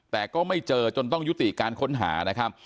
แต่ก็ไม่เจอจนต้องยุติการค้นหา